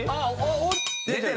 お○○○○出てる？